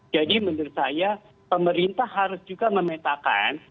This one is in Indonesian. jadi menurut saya pemerintah harus juga memintakan